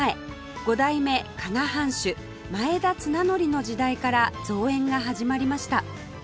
藩主前田綱紀の時代から造園が始まりました